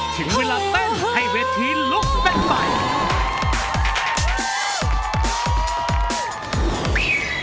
ถึงเวลาเต้นให้เวทีลุกเต้นใหม่